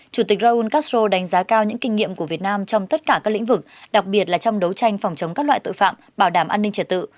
chủ tịch raul castro đánh giá cao những kinh nghiệm của việt nam trong tất cả các lĩnh vực đặc biệt là trong đấu tranh phòng chống các loại tội phạm bảo đảm an ninh trật tự